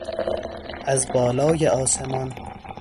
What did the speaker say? از بالای آسمان